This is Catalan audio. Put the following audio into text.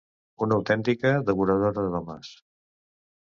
Una autèntica devoradora d'homes.